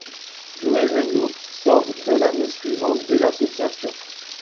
Louis Reynaud sort dès l’année suivante de l’association.